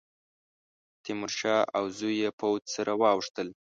تیمورشاه او زوی یې پوځ سره واوښتل.